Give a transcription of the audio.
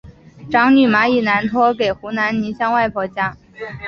长女马以南托给湖南宁乡外婆家。